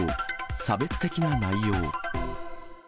差別的な内容。